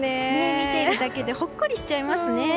見ているだけでほっこりしちゃいますね。